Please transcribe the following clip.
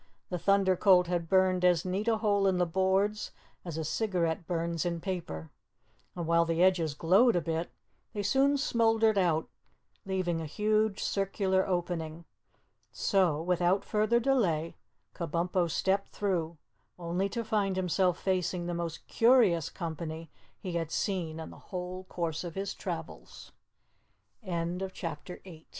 The Thunder Colt had burned as neat a hole in the boards as a cigarette burns in paper, and while the edges glowed a bit, they soon smouldered out, leaving a huge circular opening. So, without further delay, Kabumpo stepped through, only to find himself facing the most curious company he had seen in the whole course of his travels. CHAPTER 9 The Box Wood "Why!